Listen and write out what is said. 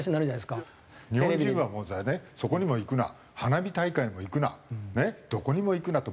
日本人はそこにも行くな花火大会にも行くなどこにも行くなと。